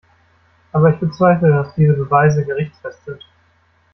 Aber ich bezweifle, dass diese Beweise gerichtsfest sind.